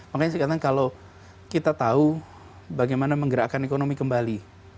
makanya saya katakan kalau kita tahu bagaimana menggerakkan ekonomi kembali